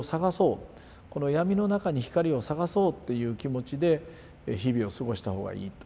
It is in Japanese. この闇の中に光を探そうっていう気持ちで日々を過ごした方がいいと。